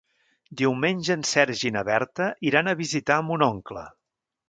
Diumenge en Sergi i na Berta iran a visitar mon oncle.